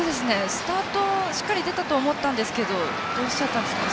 スタート、しっかり出たと思ったんですけどどうしちゃったんですかね。